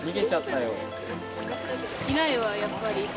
いないわやっぱり。